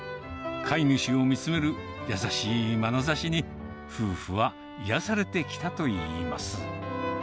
飼い主を見つめる優しいまなざしに、夫婦は癒やされてきたといいます。